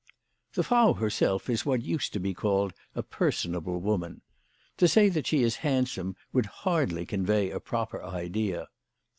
The Frau herself is what used to be called a person able woman. To say that she is handsome would hardly convey a proper idea.